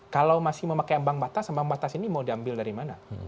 kalau masih memakai ambang batas ambang batas ini mau diambil dari mana